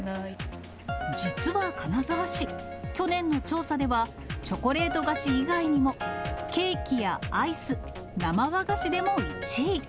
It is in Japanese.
実は金沢市、去年の調査では、チョコレート菓子以外にも、ケーキやアイス、生和菓子でも１位。